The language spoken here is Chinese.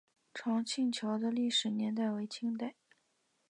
长庆桥的历史年代为清代。